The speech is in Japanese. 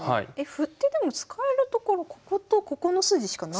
歩ってでも使えるところこことここの筋しかないですよ。